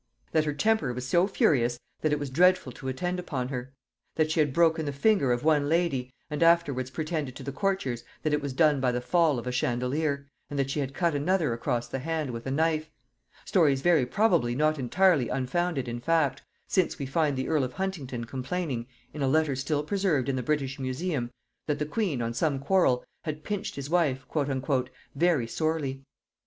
That her temper was so furious that it was dreadful to attend upon her; that she had broken the finger of one lady, and afterwards pretended to the courtiers that it was done by the fall of a chandelier, and that she had cut another across the hand with a knife; stories very probably not entirely unfounded in fact, since we find the earl of Huntingdon complaining, in a letter still preserved in the British Museum, that the queen, on some quarrel, had pinched his wife "very sorely."